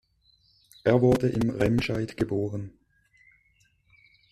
Er wurde in Remscheid geboren